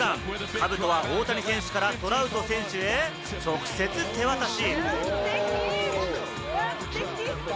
兜は大谷選手がトラウト選手へ直接手渡し。